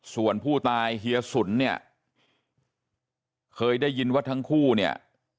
ส่วนผู้ตายเฮียสุนเนี่ยเคยได้ยินว่าทั้งคู่เนี่ย